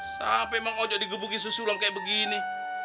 sampai bang ojo digebukin si sulam kaya gini